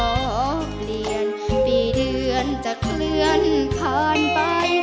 ขอเปลี่ยนปีเดือนจะเคลื่อนผ่านไป